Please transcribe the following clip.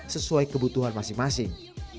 sesuai kebutuhan masing masing